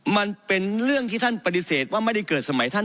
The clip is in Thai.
มันเป็นเรื่องที่ท่านปฏิเสธว่าไม่ได้เกิดสมัยท่าน